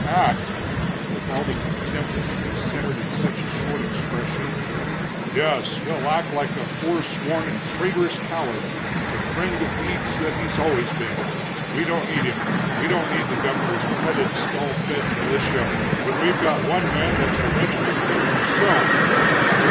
"Act!" with all the contempt that could be centered in such a short expression "yes, he'll act like a forsworn and traitorous coward, the friend to thieves that he's always been! We don't need him, we don't need the governor's petted, stall fed militia, when we've got one man that's a regiment in himself!"